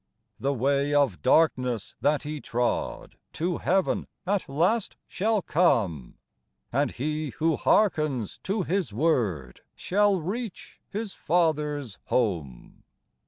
9* The way of darkness that He trod To heaven at last shall come ; And he who hearkens to His word Shall reach his Father's home.